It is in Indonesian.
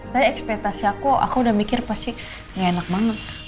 tadi ekspetasi aku aku udah mikir pasti gak enak banget